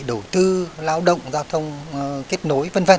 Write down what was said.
đầu tư lao động giao thông kết nối v v